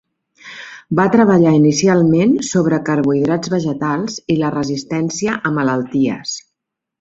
Va treballar inicialment sobre carbohidrats vegetals i la resistència a malalties.